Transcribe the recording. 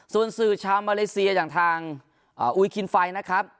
ส่วนสื่อชาวมาเลเซียอย่างทางอุยคินไฟนะครับ